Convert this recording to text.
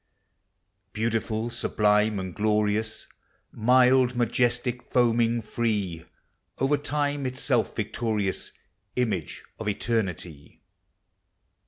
Beautiful, sublime, and glorious; Mild, majestic, foaming, free, Over lime itself victorious, Image of eternity